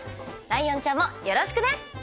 ライオンちゃんもよろしくね。